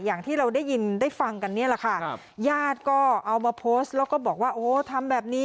อย่างที่เราได้ยินได้ฟังกันเนี่ยแหละค่ะครับญาติก็เอามาโพสต์แล้วก็บอกว่าโอ้ทำแบบนี้